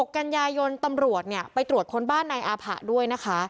กันยายนตำรวจไปตรวจคนบ้านนายอาผะด้วยนะคะ